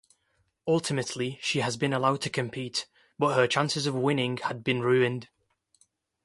Ultimately she was allowed to compete, but her chances of winning had been ruined.